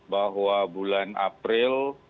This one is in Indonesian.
bahwa bulan april